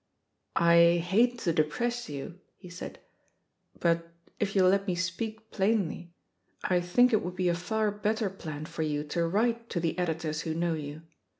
"I hate to depress you," he said, *T)ut if you'll let me speak plainly, I think it would be a far better plan for you to write to the editors who know you.